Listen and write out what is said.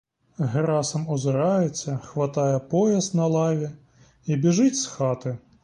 Герасим озирається, хватає пояс на лаві і біжить з хати.